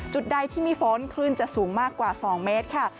จุดใดที่มีฝนคลื่นจะสูงมากกว่า๒เมตรค่ะ